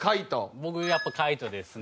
僕やっぱ『カイト』ですね。